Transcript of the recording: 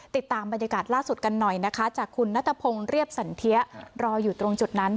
ติดตามบรรยากาศล่าสุดกันหน่อยนะคะจากคุณนัทพงศ์เรียบสันเทียรออยู่ตรงจุดนั้น